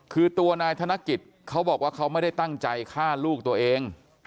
คือตัวนายธนกิจเขาบอกว่าเขาไม่ได้ตั้งใจฆ่าลูกตัวเอง